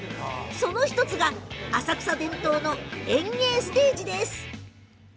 その１つが浅草伝統の演芸ステージです。